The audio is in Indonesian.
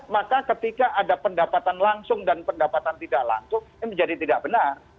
maka ketika ada pendapatan langsung dan pendapatan tidak langsung ini menjadi tidak benar